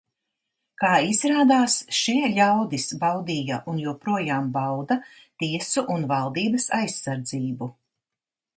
Kā izrādās šie ļaudis baudīja un joprojām bauda tiesu un valdības aizsardzību.